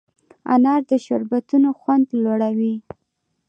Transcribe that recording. انار د شربتونو خوند لوړوي.